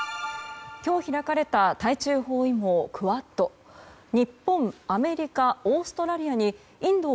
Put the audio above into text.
今日開かれた対中包囲網クアッド。